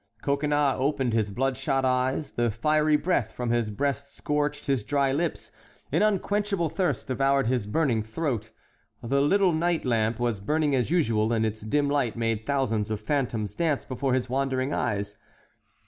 Coconnas opened his blood shot eyes; the fiery breath from his breast scorched his dry lips, an unquenchable thirst devoured his burning throat; the little night lamp was burning as usual, and its dim light made thousands of phantoms dance before his wandering eyes.